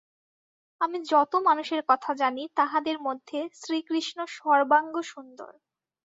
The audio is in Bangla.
আমি যত মানুষের কথা জানি, তাহাদের মধ্যে শ্রীকৃষ্ণ সর্বাঙ্গসুন্দর।